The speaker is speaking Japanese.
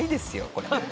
これ